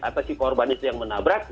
atau si korban itu yang menabrak